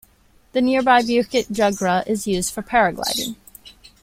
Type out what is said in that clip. The nearby Bukit Jugra is used for paragliding.